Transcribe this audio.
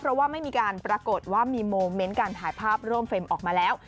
เพราะว่าไม่มีการปรากฏว่ามีโมเมนต์การถ่ายภาพร่วมเฟรมออกมาแล้ว